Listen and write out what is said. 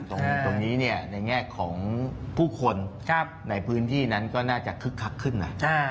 ตรงนี้ในแง่ของผู้คนในพื้นที่นั้นก็น่าจะคึกคักขึ้นนะ